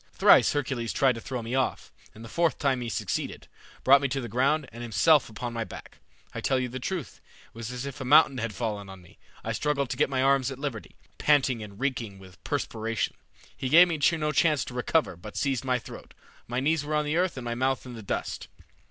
Thrice Hercules tried to throw me off, and the fourth time he succeeded, brought me to the ground, and himself upon my back. I tell you the truth, it was as if a mountain had fallen on me. I struggled to get my arms at liberty, panting and reeking with perspiration. He gave me no chance to recover, but seized my throat. My knees were on the earth and my mouth in the dust.